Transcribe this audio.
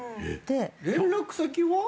連絡先は？